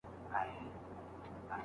هغه عادتونه چې موږ یې جوړ کړو، پایښت لري.